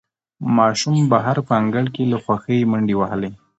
ماشوم بهر په انګړ کې له خوښۍ منډې وهلې